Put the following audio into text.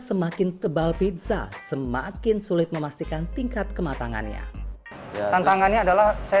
semakin tebal pizza semakin sulit memastikan tingkat kematangannya tantangannya adalah saya